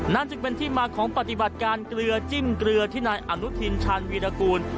นั่นจึงเป็นที่มาของปฏิบัติการเกลือจิ้มเกลือที่นายอนุทินชาญวีรกูล